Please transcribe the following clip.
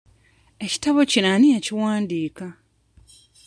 Ekitabo kino ani yakiwandiika?